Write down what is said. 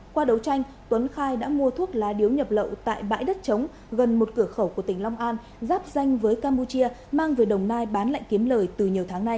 qua đấu tranh tuấn khai đã mua thuốc lá điếu nhập lậu tại bãi đất chống gần một cửa khẩu của tỉnh long an giáp danh với campuchia mang về đồng nai bán lại kiếm lời từ nhiều tháng nay